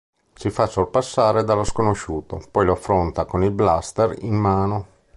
Si fa sorpassare dallo sconosciuto, poi lo affronta con il "blaster" in mano.